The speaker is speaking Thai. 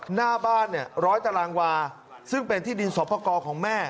หน้าบ้านเนี่ยร้อยตารางวาซึ่งเป็นที่ดินสอบประกอบของแม่